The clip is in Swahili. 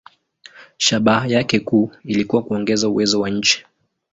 Shabaha yake kuu ilikuwa kuongeza uwezo wa nchi.